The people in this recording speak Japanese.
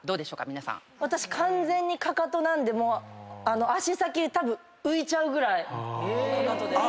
私完全にかかとなんで足先たぶん浮いちゃうぐらいかかとです。